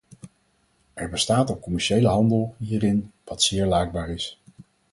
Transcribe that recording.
Er bestaat al commerciële handel hierin, wat zeer laakbaar is.